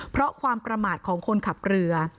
เพราะความประมาทของคนขับเรือ